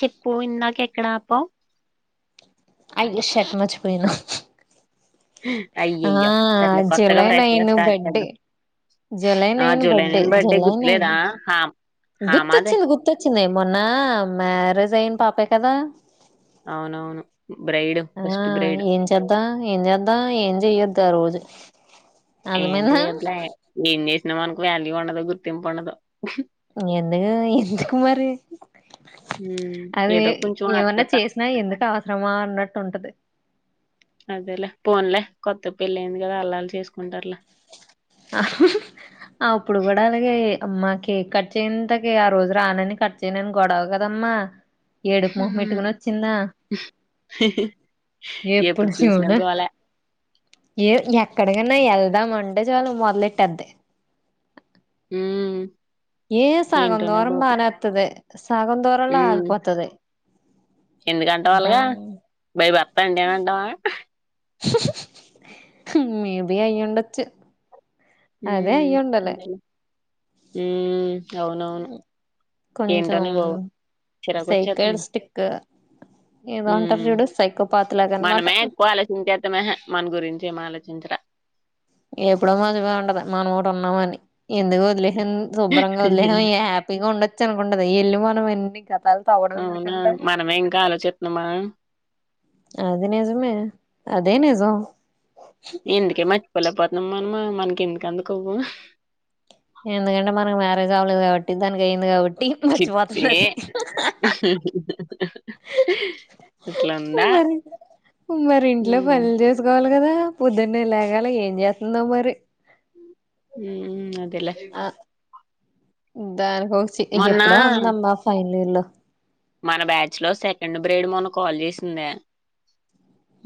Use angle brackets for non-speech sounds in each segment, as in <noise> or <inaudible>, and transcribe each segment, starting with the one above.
చెప్పు ఇందాక ఎక్కడ ఆపావు ఆయినా షర్టు మర్చిపోయిండు ఆ అయ్యయ్యో సర్లే కొత్తగా జూలై ఫ్రెష్ గా నైన్ స్టార్ట్ బర్త్డే చేద్దాం జులై ఆ నైన్ జూలై బర్డే నెల బర్త్డే జులై నైన్ గుర్తులేదా హా హామాదే గుర్తొచ్చింది గుర్తొచ్చింది మొన్న మ్యారేజ్ అయిన్ పాపే కదా అవునవును బ్రైడ్ ఆ ఫస్ట్ బ్రైడ్ ఏం చేద్దాం ఏం చేద్దాం ఏం చెయ్యొద్దు ఆ రోజు ఏం అర్థమైందా చెయ్యదులే ఏం చేసినా మనకు వాల్యూ ఉండదు గుర్తింపు ఉండదు ఎందుకు ఎందుకు మరి ఉమ్ అది ఏదో కొంచెం ఏమన్నా ఆత్రత చేసినా ఎందుకు అవసరమా అన్నట్టు ఉంటది అదేలే పోన్లే కొత్త పెళ్ళయింది కదా అలానే చేసుకుంటారులే అప్పుడు కూడా అలాగే అమ్మా కేక్ కట్ చేయ్యంతకే ఆ రోజు రానని కట్ చేయనని గొడవ కదమ్మా ఏడుపు మోహం హ్మ్. పెట్టుకొని వచ్చిందా <inaudible> ఎప్పుడు చూసినా సూడు గోలే ఏ ఎక్కడికన్నా వెళ్దామంటే చాలు మొదలెట్టేది ఉ ఏ సగం దూరం బానే అత్తది సగం దూరం లో ఆగిపోతది ఎందుకంటవ్ రా అలాగా బై బర్త్ అండి అంటావా మేబి అయ్యుండొచ్చు ఉ అదే అయ్యుండాలి ఉమ్ అవునవును కొంచెం ఏంటో నువ్వు చిరాకు వచ్చేస్తుంది సైకాస్టిక్ ఏదో అంటారు చూడు సైకో ప మనమే ఎక్కువ ఆలోచించేతమే హే మన గురించి ఏం ఆలోచించరు ఎప్పుడో మతిపోయింటది మనం కూడా ఉన్నామని ఎందుకు వదిలేశాం శుబ్బరంగ వదిలేశాం ఏ హ్యాపీగా ఉండొచ్చు అనుకుంటది ఇల్లు మనం ఎన్ని గతాలు తవ్వడం అవునా ఎందుకంటే మనమే ఇంకా ఆలోచితున్నామా అది నిజమే అదే నిజం ఎందుకే మర్చిపోలేకపోతున్నాం మనము మనకి ఎందుకు అందుకువ ఎందుకంటే మనకు మ్యారేజ్ అవ్వలేదు కాబట్టి దానికి అయింది కాబట్టి చి ఛి మర్చిపోతుంది అది ఇట్ల ఉందా మరి మరి ఇంట్లో పనులు చేసుకోవాలి కదా పొద్దున్నే లేగాల ఏం చేస్తుందో మరి మ్ అదెలే దాన్కి ఒక సిటీ మొన్నా ఎప్పుడో అందమ్మా ఫైనల్ ఇయర్ లో మన బ్యాచ్ లో సెకండ్ బ్రేడ్ మొన్న కాల్ చేసిందె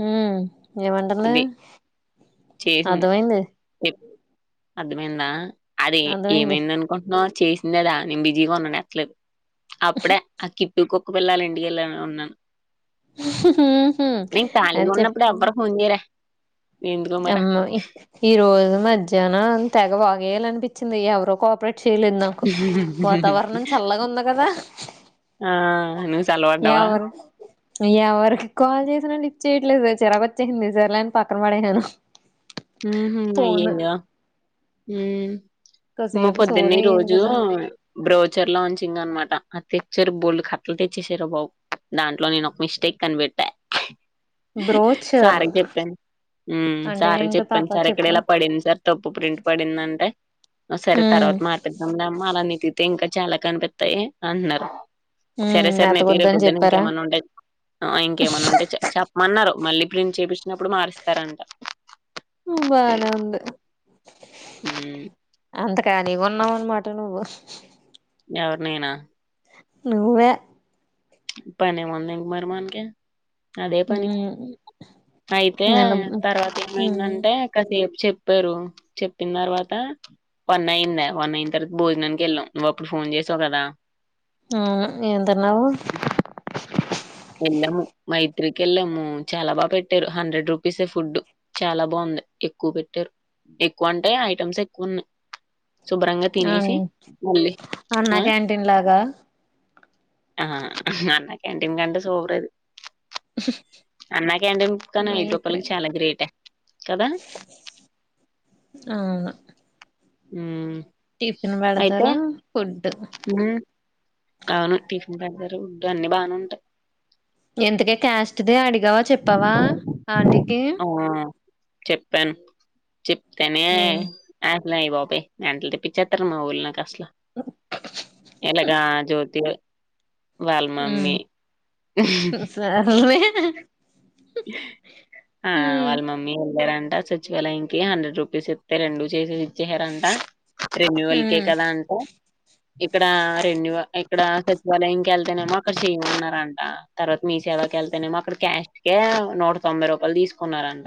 మ్ ఏమంటంది ఇది చేసింది అర్థమైంది. చెప్ అర్థమైందా అదే అర్థమైంది ఏమైందనుకుంటున్నావు చేసిందేదా నేను బిజీగా ఉన్ననె ఎత్తలేదు అప్పుడే ఆ కిట్టు కు వేళ్ళాలండి ఎలా ఉన్నా మీక్ ఖాళిగ అని ఉన్నప్పుడు ఎవ్వరు ఫోనో చేయరా ఎందుకో మరి. అమ్మోయ్ ఈ రోజు మధ్యాహ్నం తెగ వాగేయాలినిపించింది ఎవరో కోపరేట్ చేయలేదు నాకు వాతావరణం చల్లగా ఉందికదా ఆ! నువ్వు ఎ చల్లబడ్డావా? అవర్ ఎ ఆవర్ కాల్ చేసినా లిఫ్ట్ చేయట్లేదె చిరాకు వచ్చేింది సరేలే అని పక్కన పడేసను ఊహు అయ్యయ్యో మ కాసేపు పొద్దున్న సోది ఈ అయ్యింది రోజూ కదా బ్రౌజర్ లాంచింగ్ అనమాట అ ఒకసర బోల్డ్ కట్టలు తెచ్చసారు బాబు దాంట్లో నేను ఒక మిస్టేక్ కనిపెట్టా బ్రోచర్ సార్కి చెప్పాను ఉ అంటే సార్ కి ఏంటో పాప చెప్పాను సార్ ఇక్కడ చెప్పు ఇలా పడింది సార్ తప్పు ప్రింట్ పడిందంటే ఒ సరే ఉమ్ తర్వాత మార్పిద్దాం అమ్మా అలా నీ తతే ఇంకా చాలా కనిపిస్తాయి అంట్న్నారు సరే ఉమ్ సార్ నే తీిరే అతకొద్దని పొద్దున చెప్పారా ఇంకేమైన్నా ఉంటే ఇంకేమన్నా ఉంటే చెప్పమన్నారు మళ్ళీ ప్రింట్ చేపించినప్పుడు మారుస్తారంట ఉమ్ బానె ఉంది హుమ్ ఫ్రీగ ఉన్నావనమాట నువ్వు ఎవర్ నేనా నువ్వే పనే ముంది మరి మనకి అదే పని ఉమ్ అయితే నన్ను తర్వాత ఉమ్ ఏమైందంటే కాసేపు చెప్పారు చెప్పిన తర్వాత వన్ అయిందె వన్ అయిన తర్వాత భోజనానికి వెళ్ళావు నువ్వు అప్పుడు ఫోన్ ఫోన్ చేసావు కదా అవును ఎం తిన్నావు వెళ్ళాము మైత్రికి వెళ్ళాము చాలా బాగ పెట్టారు హండ్రెడ్ రూపీసే ఫుడ్ చాలా బాగుంది ఎక్కువ పెట్టారు ఎక్కువ అంటే ఐటమ్స్ ఎక్కువ ఉన్నాయి శుభ్రంగ అన్ తినేసి మళ్ళీ అన్నా ఆ క్యాంటీన్ లాగా ఆ అన్న క్యాంటీన్ కంటే సూపరది అన్నా క్యాంటీన్ కాన్న ఐదు మైత్రి రూపాయలకి చాలా గ్రేట్ కదా ఆ ఊ టిఫిన్ పెడతారు ఫుడ్ ఆవును టిఫిన్ పెడుతారు పుడ్ అన్ని బానే ఉంటాయి ఇంతకీ క్యాస్ట్ ది అడిగావా చెప్పవా ఆంటికి ఆ చెప్పాను చెప్తానే ఏం ఆ అయిబాబోయ్ మెంటల్ తెప్పిచ్చిత్తారు మా వాళ్ళు నాకు అసలు యా ఇలాగా జ్యోతి నీ ఉ ఇగా సర్లే ఆ ఉమ్ వాళ్ళ మమ్మీ ఉండద ఆ సచివాలయం కి హండ్రెడ్ రూపీస్ ఇత్తారు అండి చేసి చేసారంట రెన్యువల్ కే ఉమ్ కదా అంట ఇక్కడ రెన్యూ ఇక్కడ సచివాలయం కి వెళ్తేనేమో అక్కడ చేయమన్నారంట తర్వాత మీ మీ సేవ కేళ్తేనేమో అక్కడ క్యాస్ట్ కే నూట తొంబై రూపాయలు తీసుకున్నారంట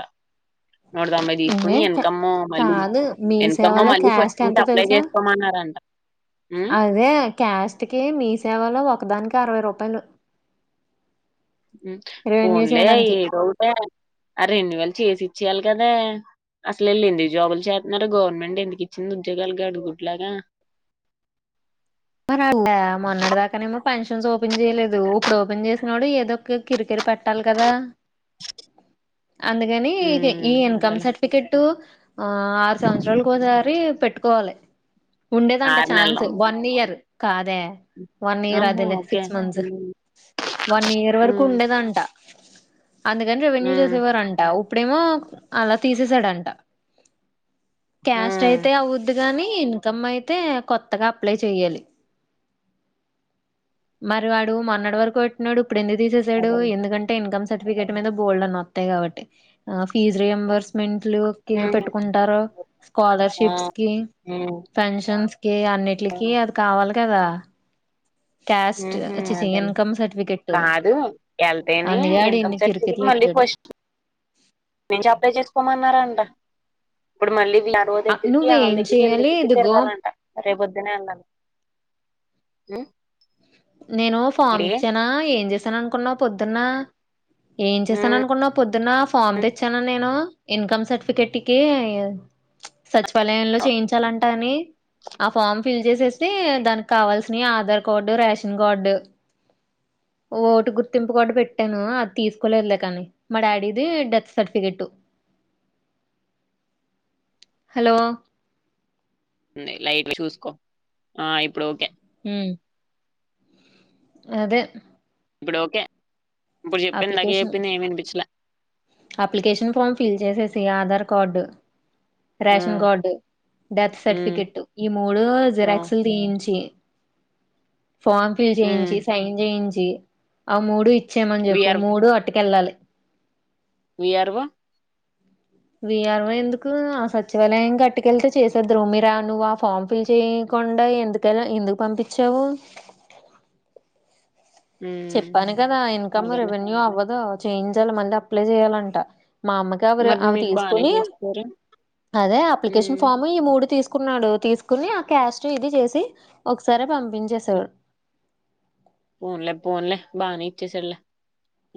నూట తొంభై ఇవే తీసుకుని ఇన్ క కమ్ మళ్ళీ కాదు మీ ఇన్ కమ్ సేవలో మళ్ళీ ఫస్ట్ క్యాస్ట్ నుంచి ఎంతో అప్లై తెలుసా చేసుకోమన్నారంట హ్మ్. అదే క్యాష్ట్ కి మీ సేవలో ఒకదానికి అరవై రూపాయలు ఉ రెన్యూ ఫోన్లే చేయడానికి ఏదో ఒకట ఆ రెన్యువల్ చేసి ఇచ్చేయాలి కదా అసలు వీళ్ళు ఎందుకు జాబులు చేస్తున్నారు గవర్నమెంట్ ఎందుకు ఇచ్చింది ఉద్యోగాలు గాడిద గుడ్ లాగా <unintelligible> మొన్నటి దాకానే ఏమో పెన్షన్స్ ఓపెన్ చేయలేదు ఇప్పుడు ఓపెన్ చేసినోడు ఏదో ఒక కిరికిర పెట్టాలి కదా అందుకని హ్మ్. ఈ ఇన్కమ్ అదేలే. సర్టిఫికెట్ ఆ ఆరు సంవత్సరాల ఒక సారి ఏ పెట్టుకోవాలి ఉండేదంట ఆరు ఛాన్స్ నెలలమ్మ. వన్ ఇయర్ ఆదే వన్ ఇయర్ ఆహా! అదేలే ఓకే. సిక్స్ మంత్స్ హ్మ్. వన్ ఇయర్ వరకు హ్మ్. ఉండదు అంట అందుకని రెవెన్యూ హ్మ్. చేసేవారంట ఇప్పుడేమో అలా తీసేసాడంట క్యాస్ట్ హ్మ్. అయితే అవ్వుద్ది గాని ఇన్కమ్ అయితే కొత్తగా అప్లై చెయ్యాలి మరి వాడు మొన్నటి వరకు పెట్టినాడు ఇప్పుడు ఎందుకు తీసేసాడు అదేలే. ఎందుకంటే ఇన్కమ్ సర్టిఫికేట్ మీద బోల్డ్ అని వత్తాయి కాబట్టి ఫీజ్ రియాంబర్స్మెంట్ హ్మ్. పెట్టుకుంటారు ఆ స్కాలర్షిప్స్ కి హ్మ్ పెన్షన్ కి అన్నిట్లకి అది కావాలి కదా క్యాస్ట్ ఉహు చిచి అదేలే ఇన్కమ్ సర్టిఫికెట్ కాదు వెళ్తేనే అందుకే ఆడు ఇన్కమ్ ఇన్ని సర్టిఫికేట్ కిరికిర్లు మళ్ళీ ఎట్టాడు ఫస్ట్ <inaudible> నుంచి అప్లై చేసుకోమన్నారంట ఇప్పుడు మళ్ళీ ఏం ఆర్ ఓ దగ్గరికి వాళ్ళ నువ్వేం దగ్గరికి వీళ్ళ చెయ్యాలి దగ్గరకి ఇదిగో తిరగాలంట రేపు పొద్దునే వెళ్ళాలి ఊ నేను ఫామ్ ఇచ్చానా ఏం చేసాను అనుకున్నావు పొద్దున్న ఏం చేశాను హ్మ్ అనుకున్నావు పొద్దున్న ఫామ్ తెచ్చాన నేను ఇన్కమ్ సర్టిఫికెట్ కి సచివాలయంలో చేయించాలంట కానీ ఆ ఫారం ఫిల్ చేసేసి దానీ కావాల్సినవి ఆధార్ కార్డు రేషన్ న్ కార్డ్ ఓటు గుర్తింపు కార్డ్ పెట్టాను అది తీసుకోలేదులే కానీ మా డాడీది డెత్ సర్టిఫికెట్ హలో లైట్ చూసుకో ఆ ఇప్పుడు ఓకే ఊ అదే ఇప్పుడు ఓకే. ఇప్పుడు చెప్పింది ఇందాక అప్లికేషన్ చెప్పింది ఏమి వినిపించలే అప్లికేషన్ ఫామ్ ఫిల్ చేసేసేయ్ ఆధార్ కార్డు రేషన్ హ్మ్ కార్డు, డెత్ హ్మ్ సర్టిఫికెట్ ఈ మూడు ఆ జిరాక్స్ లు తీయించి ఫామ్ ఫిల్ చేయించి, హ్మ్ సైన్ చేయించి ఆ మూడు ఇచ్చేయమని చెప్పు విఆర్ మూడు అటు కెళ్ళాలి. V R O VR O ఎందుకు సచివాలయం గట్టుకెళ్తే చేసేద్దుర్రు మీరా నువ్వు ఆ ఫార్మ్ ఫిల్ చేయక కుండా ఎందుకలా ఎందుకు పంపించావు. హ్మ్ చెప్పాను కదా ఇన్కమ్, అదేలే రెవెన్యూ అవ్వదు చేయించాలి మళ్ళ అప్లై చెయ్యాలంట. మా అమ్మగారు మరి అవి మీకు బానే తీసుకుని చేస్తారు అదే అప్లికేషన్ హ్మ్ ఫాము ఈ మూడు తీసుకొని తీకున్నాడు తీసుకుని ఆ క్యాస్ట్ ఇది చేసి ఒకసారే పంపించేసాడు. ఫోన్లే ఫోన్లే బానే ఇచ్చేసాడులే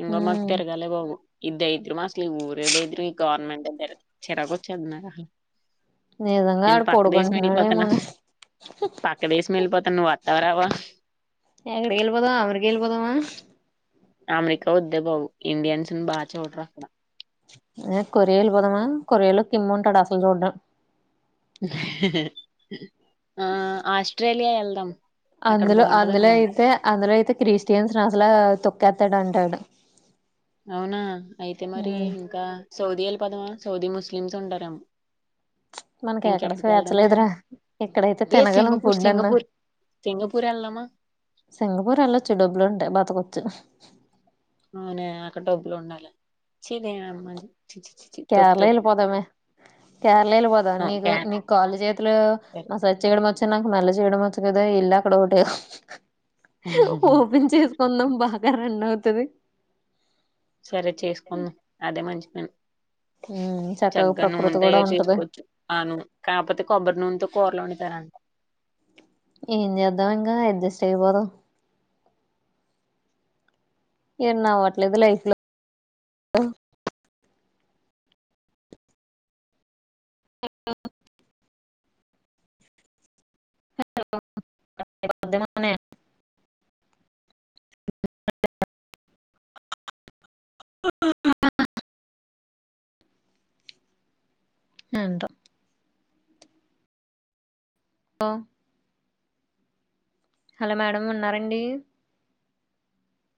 ఇంగా మాకు తిరగాలే బాబు. ఈ దరిద్రం హాస్టల్ ఈ ఊరే దరిద్రం ఈ గవర్నమెంట్ ఒద్దు చిరాకు వచ్చేస్తుంది. నాయినా నిజంగా నేను ఆడు పక్క దేశం వెళ్ళి పోతాను. పొడుకుంటున్నాడేమోనే పక్క దేశం వెళ్ళిపోతాను నువ్వు వత్తావా రావా? ఎక్కడికి వెల్లిపోదాం అమెరికా వెల్లిపోదామా? అమెరికా వద్దే బాబు ఇండియన్స్ ని బాగా చూడరు అంట. ఏ కొరియాలు పోదామా కొరియా లో కింగ్ ఉంటాడు అసలు చూడ్డం ఆ ఆస్ట్రేలియా వెళ్దాం అక్కడ అందులో బాగుంటది అందులో అనుకుంటా అయితే అందులో అయితే క్రిస్టియన్స్ అసలే తొ కతడు అంటాడు. అవునా అయితే మరి ఉమ్ ఇంకా సౌదీ వెళ్ళిపోదమా, సౌదీ లో ముస్లిమ్స్ ఉంటారేమో. మనకి ఎక్కడ ఇంకెక్కడికి స్వేచ్ఛ వెళ్దామా? లేదురా ఇక్కడైతే ఏ తినగలం సింగపూర్ ఫుడ్ అన్నా సింగపూర్. సింగపూర్. ఆ సింగపూర్ వెళ్ళొచ్చు డబ్బులు ఉంటే బతకొచ్చు. అవునే అక్కడ డబ్బులు ఉండాలి చీ నీయమ్మ కేరళ వెళ్ళిపోదామే కేరళ వెళ్ళిపోదాము ఆ, నీకు నీకు కాళ్ళు, చేతులు క్యారెక్టర్ మసాజ్ చేయడం వచ్చా. నాకు నల్ చేయడం వచ్చు కదా వెళ్లి అక్కడ ఒకటే ఓపెన్ చేసుకుందాం బాగా రన్ అవుతాది. సరే చేసుకుందాం అదే మంచిపని. ఉమ్ చక్కగా ప్రకృతి నూనె కూడా తయారు ఉంటది చేసుకోవచ్చు ఆ నూనె కాకపోతే కొబ్బరి నూనెతో కూర్లు వండుతారంట. ఏం చేద్దామ్ ఇంకా అడ్జస్ట్ అయిపోదాం. ఏన్నవట్లేదు లైఫ్ లో అ <inaudible> <inaudible> ఏంటో ఆ హలో! మేడం ఉన్నారండి?